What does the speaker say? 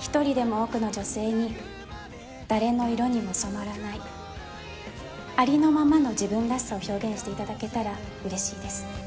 一人でも多くの女性に誰の色にも染まらないありのままの自分らしさを表現していただけたら嬉しいですはい